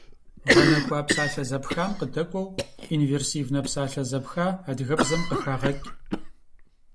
Гъэнэхуа псалъэ зэпхам къыдэкӏуэу инверсивнэ псалъэ зэпха адыгэбзэм къыхагъэкӏ.